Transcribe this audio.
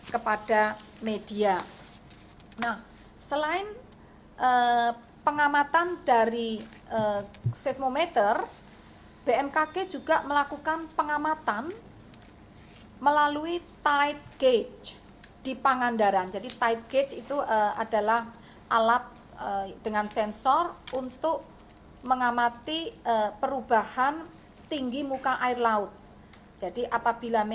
kami update kami sampaikan